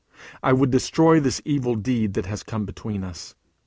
I would destroy this evil deed that has come between us.